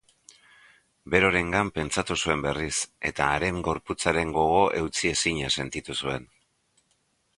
Verorengan pentsatu zuen berriz, eta haren gorputzaren gogo eutsiezina sentitu zuen.